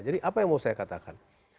jadi apa yang mau saya katakan